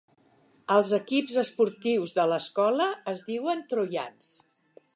Els equips esportius de l'escola es diuen Troians.